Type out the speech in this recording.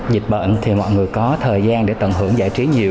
dịch bệnh thì mọi người có thời gian để tận hưởng giải trí nhiều